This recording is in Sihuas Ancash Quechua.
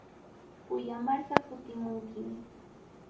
Kuyamarqa kutimunkimi.